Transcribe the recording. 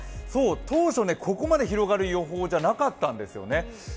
当初、ここまで広がる予報じゃなかったんですよね。